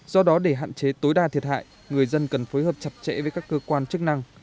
do đó để hạn chế tối đa thiệt hại người dân cần phối hợp chặt chẽ với các cơ quan chức năng